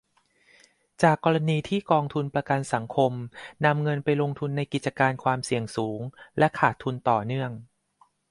จากกรณีที่กองทุนประกันสังคม นำเงินไปลงทุนในกิจการความเสี่ยงสูงและขาดทุนต่อเนื่อง